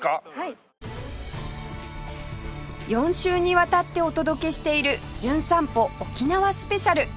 ４週にわたってお届けしている『じゅん散歩』沖縄スペシャル